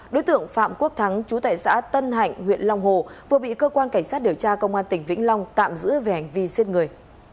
đối tượng phạm quốc thắng chú tại xã tân hạnh huyện long hồ vừa bị cơ quan cảnh sát điều tra công an tỉnh vĩnh long tạm giữ về hành vi giết người